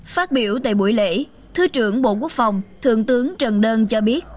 phát biểu tại buổi lễ thứ trưởng bộ quốc phòng thượng tướng trần đơn cho biết